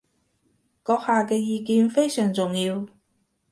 閣下嘅意見非常重要